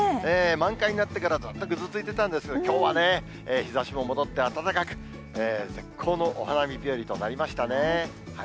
満開になってから、ずっとぐずついていたんですが、きょうは日ざしも戻って、暖かく、絶好のお花見日和となりましたね。